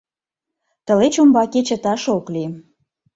Тылеч умбаке чыташ ок лий.